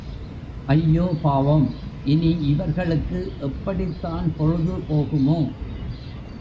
ஐயோ, பாவம் இனி இவர்களுக்கு எப்படித் தான் பொழுது போகுமோ!